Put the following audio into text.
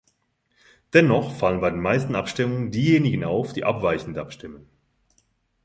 Dennoch fallen bei den meisten Abstimmungen diejenigen auf, die abweichend abstimmen.